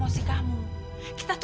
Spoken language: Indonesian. eh kamu cis